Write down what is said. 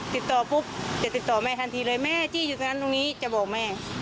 ติดต่อปุ๊บจะติดต่อแม่ทันทีเลยแม่จี้อยู่ตรงนั้นตรงนี้จะบอกแม่